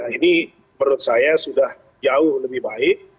ini menurut saya sudah jauh lebih baik